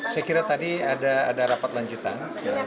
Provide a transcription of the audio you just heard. saya kira tadi ada rapat lanjutan